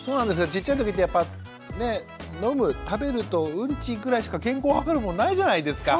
ちっちゃい時ってやっぱ飲む食べるとウンチぐらいしか健康はかるものないじゃないですか。